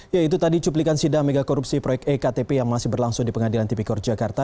ya itu tadi cuplikan sidang megakorupsi proyek e ktp yang masih berlangsung di pengadilan tv kor jakarta